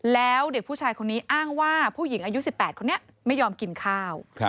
แล้วเด็กผู้ชายคนนี้อ้างว่าผู้หญิงอายุ๑๘คนนี้ไม่ยอมกินข้าว